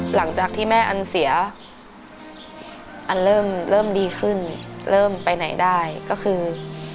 หลังจากที่แม่อันเสียอันเริ่มเริ่มดีขึ้นเริ่มไปไหนได้ก็คือ